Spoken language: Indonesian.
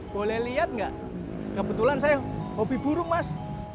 boleh liat gak kebetulan saya hobi burung mas